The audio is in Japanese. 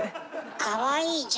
かわいいじゃん。